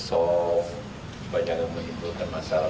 supaya jangan menimbulkan masalah masalah